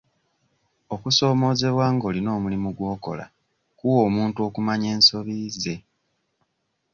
Okusoomoozebwa nga olina omulimu gw'okola kuwa omuntu okumanya ensobi ze.